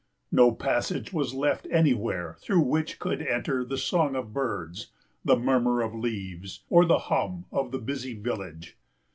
No passage was left anywhere through which could enter the song of birds, the murmur of leaves or hum of the busy village.